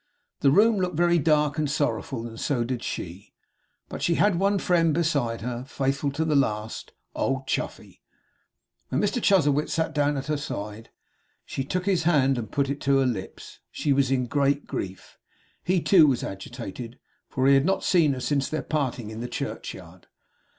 The room looked very dark and sorrowful; and so did she; but she had one friend beside her, faithful to the last. Old Chuffey. When Mr Chuzzlewit sat down at her side, she took his hand and put it to her lips. She was in great grief. He too was agitated; for he had not seen her since their parting in the churchyard.